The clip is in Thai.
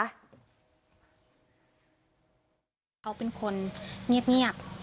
เขาเป็นคนเงียบ